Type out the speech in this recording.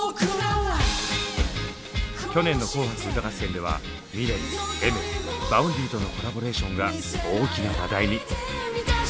去年の「紅白歌合戦」ではｍｉｌｅｔＡｉｍｅｒＶａｕｎｄｙとのコラボレーションが大きな話題に！